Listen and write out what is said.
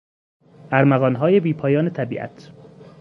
ارمغانهای بیپایان طبیعت